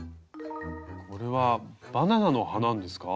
これは「バナナの葉」なんですか？